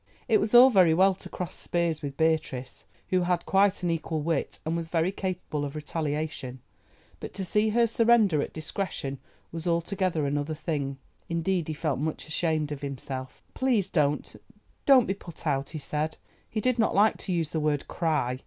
It was all very well to cross spears with Beatrice, who had quite an equal wit, and was very capable of retaliation, but to see her surrender at discretion was altogether another thing. Indeed he felt much ashamed of himself. "Please don't—don't—be put out," he said. He did not like to use the word "cry."